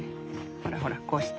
ほらほらこうして。